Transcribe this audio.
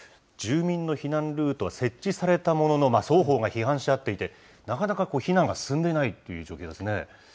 住民の避難ルートは設置されたものの、双方が批判し合っていて、なかなか避難が進んでいないという状況ですね。